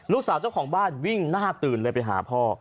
เจ้าของบ้านวิ่งหน้าตื่นเลยไปหาพ่อ